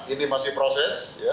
ini masih proses